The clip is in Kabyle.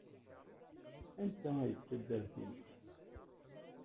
Anta ay d taddart-nnek?